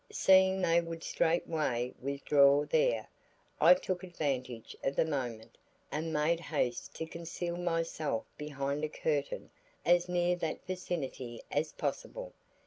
Seeing they would straightway withdraw there, I took advantage of the moment and made haste to conceal myself behind a curtain as near that vicinity as possible.